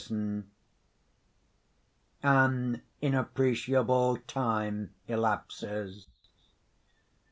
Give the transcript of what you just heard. _ _An inappreciable time elapses.